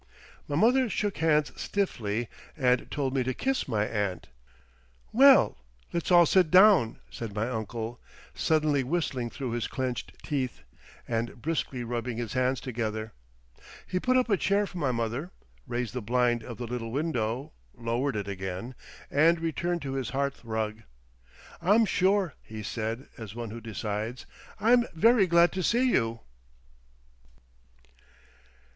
My mother shook hands stiffly, and told me to kiss my aunt.... "Well, let's all sit down," said my uncle, suddenly whistling through his clenched teeth, and briskly rubbing his hands together. He put up a chair for my mother, raised the blind of the little window, lowered it again, and returned to his hearthrug. "I'm sure," he said, as one who decides, "I'm very glad to see you."